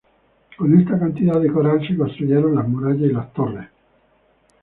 Con esta cantidad de coral se construyeron las murallas y las torres.